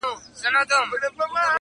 انسانيت له ازموينې تېريږي سخت,